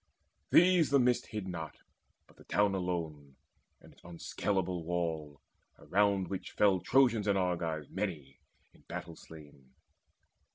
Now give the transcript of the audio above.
These the mist hid not, but the town alone And its unscaleable wall, around which fell Trojans and Argives many in battle slain.